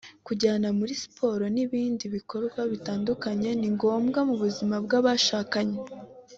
kujyana muri siporo n’ibindi bikorwa bitandukanye ni ngombwa mu buzima bw’abashakanye